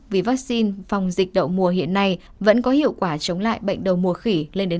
vì vaccine phòng dịch đậu mùa hiện nay vẫn có hiệu quả chống lại bệnh đậu mùa khỉ lên đến tám mươi năm